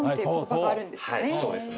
はいそうですね